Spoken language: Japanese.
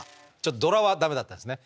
ドラはダメだったんですね。